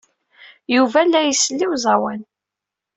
Yuba la isell i uẓawan.